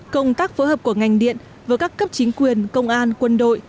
công tác phối hợp của ngành điện với các cấp chính quyền công an quân đội